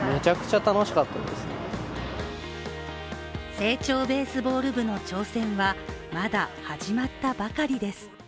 青鳥ベースボール部の挑戦はまだ始まったばかりです。